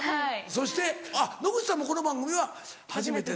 そしてあっ野口さんもこの番組は初めてで。